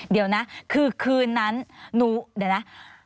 เดี๋ยวนะคือคืนนั้นหนูเดี๋ยวนะ